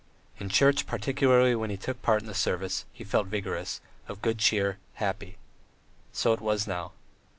In church, particularly when he took part in the service, he felt vigorous, of good cheer, happy. So it was now.